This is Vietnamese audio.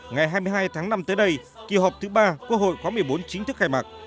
ngày hai mươi hai tháng năm tới đây kỳ họp thứ ba quốc hội khóa một mươi bốn chính thức khai mạc